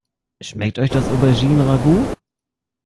Schmeckt euch das Auberginen-Ragout?